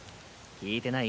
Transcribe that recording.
聞いてない？